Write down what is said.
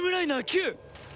「９」！